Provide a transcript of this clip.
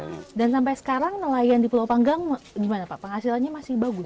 gimana pak penghasilannya masih bagus